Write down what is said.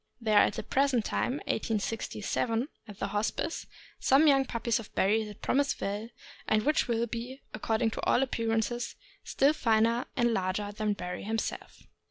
There are at the present time (1867) at the Hospice some young puppies of Barry that promise well, and which will be, according to all appearances, still finer and larger than Barry himself.